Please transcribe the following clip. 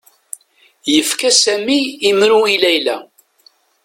Yefka Sami imru i Layla.